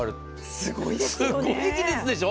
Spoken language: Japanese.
すごい技術でしょ。